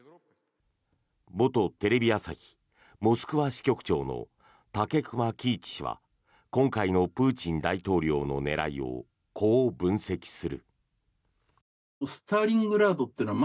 元テレビ朝日モスクワ支局長の武隈喜一氏は今回のプーチン大統領の狙いをこう分析する。